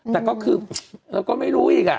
แต่ก็คือเราก็ไม่รู้อีก